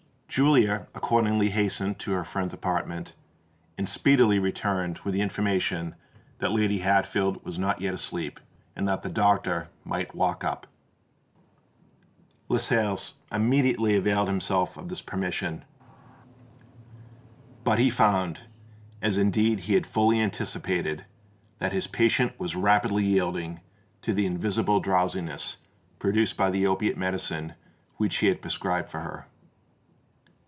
Julia accordingly hastened to her friend's apartment, and speedily returned with the information that Lady Hatfield was not yet asleep, and that the doctor might walk up. Lascelles immediately availed himself of this permission; but he found—as indeed he had fully anticipated—that his patient was rapidly yielding to the invincible drowsiness produced by the opiatic medicine which he had prescribed for her.